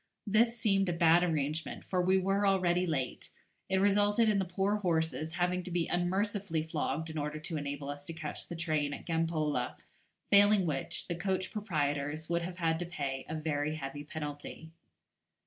This seemed a bad arrangement, for we were already late; it resulted in the poor horses having to be unmercifully flogged in order to enable us to catch the train at Gampola, failing which, the coach proprietors would have had to pay a very heavy penalty.